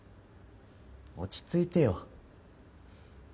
落ち着いてよ。